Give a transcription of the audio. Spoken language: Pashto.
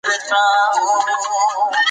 ده د ټولنيزو بديو پر ضد عامه خبرې کولې.